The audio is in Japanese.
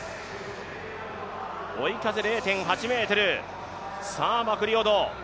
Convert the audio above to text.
追い風０．８メートルマクリオド。